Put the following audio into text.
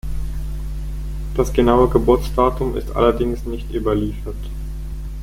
Das genaue Geburtsdatum ist allerdings nicht überliefert.